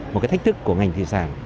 một cái thách thức của ngành thủy sản